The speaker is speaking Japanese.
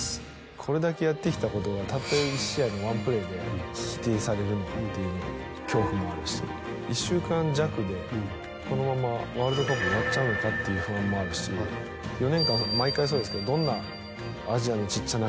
これだけやってきたことがたった１試合の１プレーで否定されるのかっていう恐怖もあるし１週間弱でこのままワールドカップ終わっちゃうのかっていう不安もあるし４年間毎回そうですけどどんなアジアの小っちゃな